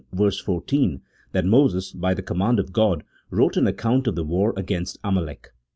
14 that Moses, by the command of God, wrote an account of the war against Amalek.